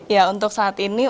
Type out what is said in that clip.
ya untuk saat ini